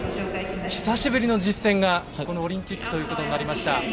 久しぶりの実戦がこのオリンピックとなりました。